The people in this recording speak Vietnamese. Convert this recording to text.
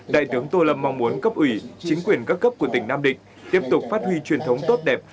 đại tướng tô lâm mong muốn cấp ủy chính quyền các cấp của tỉnh nam định tiếp tục phát huy truyền thống tốt đẹp